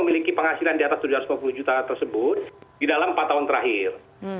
memiliki penghasilan di atas tujuh ratus lima puluh juta tersebut di dalam empat tahun terakhir